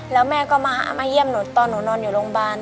แล้วแม่ก็มาเยี่ยมหนูตอนหนูนอนอยู่โรงพยาบาล